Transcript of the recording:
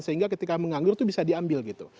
sehingga ketika menganggur itu bisa diambil gitu